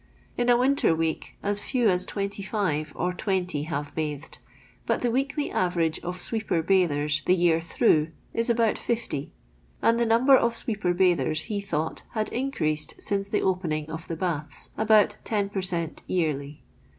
In a winter week as fexv as 25 or 20 have bathed, but the weekly average of sweeper bathers, the year through, is about 50; and the number of sweeper bathers, he thought, had increased since the opening of the baths about 10 per cent, yearly.